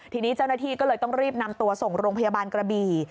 ทีนี้เจ้าหน้าที่ก็เลยต้องรีบนำตัวส่งโรงพยาบาลกระบี่